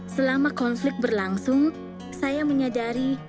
selama konflik berlangsung saya menyadari